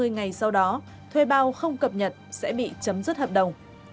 hai mươi ngày sau đó thuê bao không cập nhật sẽ bị chấm dứt hợp đồng